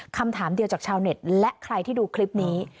คำถามเดียวจากชาวเน็ตและใครที่ดูคลิปนี้